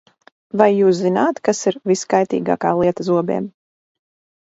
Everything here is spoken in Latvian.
Vai jūs zināt, kas ir viskaitīgākā lieta zobiem?